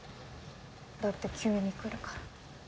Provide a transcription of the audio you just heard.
だって急に来るから。